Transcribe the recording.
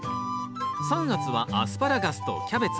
３月は「アスパラガス」と「キャベツ」。